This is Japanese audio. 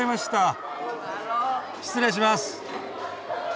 失礼します。